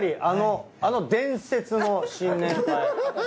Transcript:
あの伝説の。